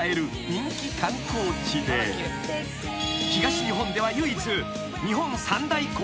［東日本では唯一］